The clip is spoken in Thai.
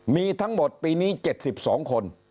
มีทั้งหมดปีนี้๗๒คน